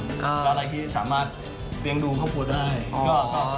อ่าแล้วอะไรที่สามารถเรียงดูเข้าความความใจอ๋อ